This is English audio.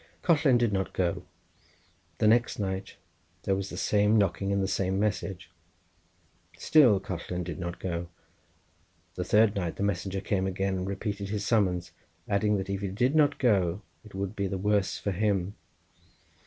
Collen did not go. The next night there was the same knocking and the same message. Still Collen did not go. The third night the messenger came again and repeated his summons, adding that if he did not go it would be the worse for him.